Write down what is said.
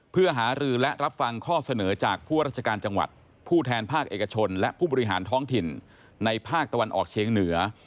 เพื่อหารือและรับฟังข้อเสนอจากผู้ราชการจังหวัดผู้แทนภาคเอกชนและผู้บริหารท้องถิ่นในภาคตะวันออกเชียงเหนือ